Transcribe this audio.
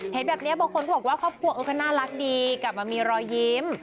เห็นแบบนี้บางคนก็บอกว่าครอบครัวก็น่ารักดีกลับมามีรอยยิ้ม